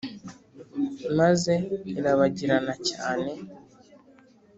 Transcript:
maze irabagirana cyane